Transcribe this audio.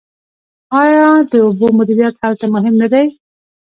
آیا د اوبو مدیریت هلته مهم نه دی؟